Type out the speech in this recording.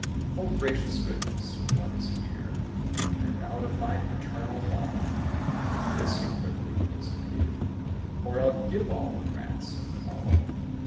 "Oh, gracious goodness! what is here? Turned out of my paternal hall! From this you quickly disappear, Or I'll give all the rats a call."